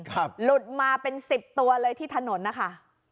หลุดมาเป็นสิบตัวเลยที่ถนนนะคะ